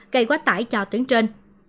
gây quá tải cho tuyển trên